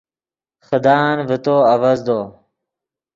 خدان ڤے تو آڤزدو